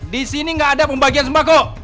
disini gak ada pembagian sembako